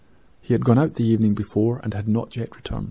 He had gone out the evening before and had not come back.